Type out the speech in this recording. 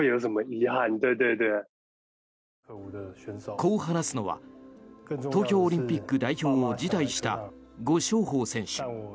こう話すのは東京オリンピック代表を辞退したゴ・ショウホウ選手。